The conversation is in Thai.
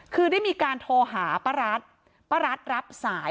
คือได้มีการโทรหาป้ารัฐป้ารัฐรับสาย